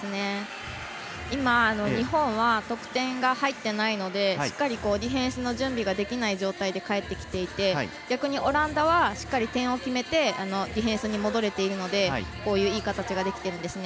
今、日本は得点が入っていないのでしっかりディフェンスの準備ができない状態で返ってきていて逆にオランダはしっかり点を決めてディフェンスに戻れているのでこういういい形ができてるんですね。